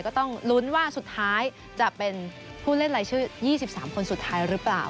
ก็ต้องลุ้นว่าสุดท้ายจะเป็นผู้เล่นรายชื่อ๒๓คนสุดท้ายหรือเปล่า